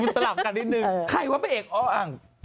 สลับกันนิดนึงใครว่าพระเอกอ้ออัง